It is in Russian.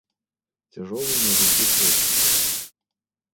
Тяжелый на жуке кожух.